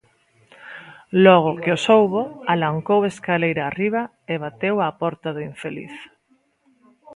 Logo que o soubo, alancou escaleira arriba e bateu á porta do infeliz.